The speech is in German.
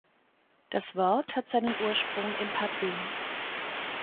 Das Wort hat seinen Ursprung im Patwin.